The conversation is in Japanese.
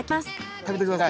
食べてください。